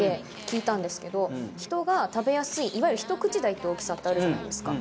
人が食べやすいいわゆるひと口大っていう大きさってあるじゃないですか。